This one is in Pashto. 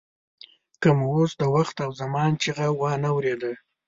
که مو اوس د وخت او زمان چیغه وانه ورېده.